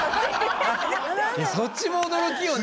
そっちも驚きよね。